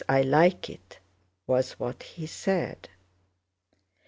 I like it," was what he said.